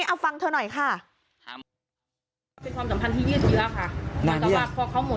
เอาฟังเธอหน่อยค่ะ